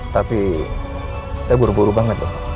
tapi saya buru buru banget